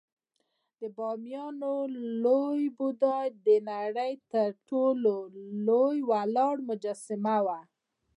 د بامیانو لوی بودا د نړۍ تر ټولو لوی ولاړ مجسمه وه